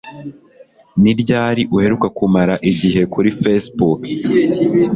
Ni ryari uheruka kumara igihe kuri Facebook